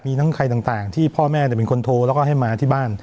มีทั้งใครต่างที่พ่อแม่เป็นคนโทรแล้วก็ให้มาที่บ้าน